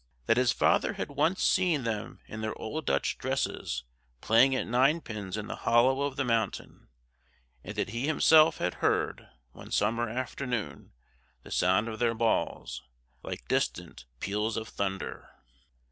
That his father had once seen them in their old Dutch dresses playing at ninepins in the hollow of the mountain; and that he himself had heard, one summer afternoon, the sound of their balls, like distant peals of thunder.